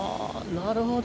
なるほど。